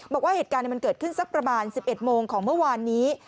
บอกว่าเหตุการณ์มันเกิดขึ้นสักประมาณ๑๑โมงของเมื่อวานนี้